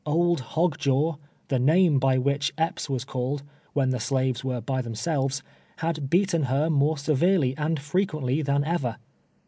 " Old Ilogjaw," tbe name by wbicb Epps was called, wben tbe slaves were by tbemselves, bad beaten ber more severely and frecpiently tban ever.